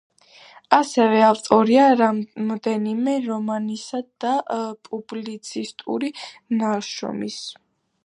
ასევე ავტორია რამდენიმე რომანისა და პუბლიცისტური ნაშრომის.